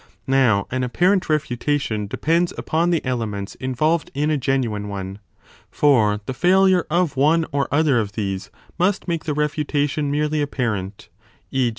Now an apparent refutation depends upon the iyo a elements involved in a genuine one : for the failure of one or other of these must make the refutation merely apparent, e.